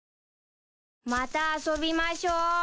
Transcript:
また遊びましょう。